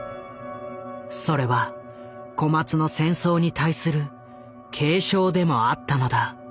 それは小松の戦争に対する警鐘でもあったのだ。